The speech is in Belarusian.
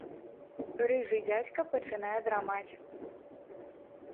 Рыжы дзядзька пачынае драмаць.